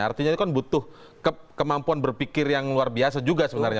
artinya ini kan butuh kemampuan berpikir yang luar biasa juga sebenarnya